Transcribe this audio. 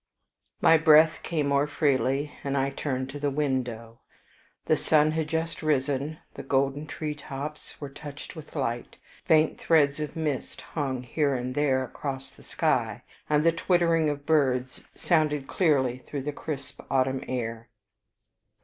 My breath came more freely, and I turned to the window. The sun had just risen, the golden tree tops were touched with light, faint threads of mist hung here and there across the sky, and the twittering of birds sounded clearly through the crisp autumn air.